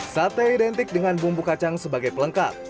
sate identik dengan bumbu kacang sebagai pelengkap